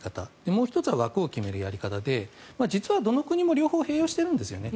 もう１つは枠を決めるやり方でどの国も両方、併用しているんですよね。